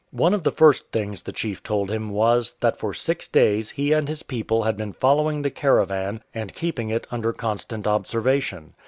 One of the first things the chief told him was, that for six days he and his people had been following the caravan and keeping it under constant observation.